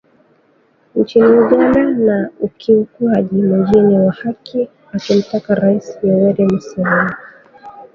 nchini Uganda na ukiukwaji mwingine wa haki akimtaka Rais Yoweri Museveni